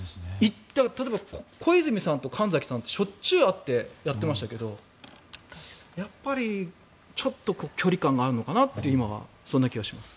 例えば小泉さんと神崎さんってしょっちゅう会ってやっていましたけどちょっと距離感があるのかなという気がします。